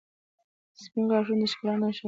• سپین غاښونه د ښکلا نښه ده.